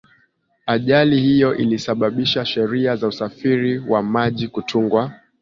ajali hiyo ilisababisha sheria za usafiri wa maji kutungwa